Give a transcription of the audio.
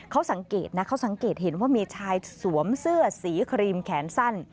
เขาสังเกตนะเขาสังเกตเห็นว่ามีชายสวมเสื้อสีครีมแขนสั้น